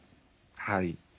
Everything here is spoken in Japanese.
はい。